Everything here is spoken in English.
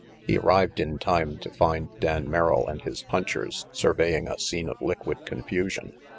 He arrived in time to find Dan Merrill and his punchers surveying a scene of liquid confusion.